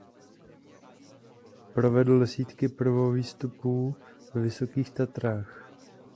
Provedl desítky prvovýstupů ve Vysokých Tatrách.